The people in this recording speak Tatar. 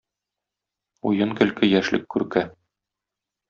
Уен-көлке яшьлек күрке.